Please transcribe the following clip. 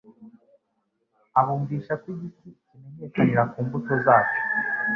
abumvisha ko iGiti kimenyekanira ku mbuto zacyo.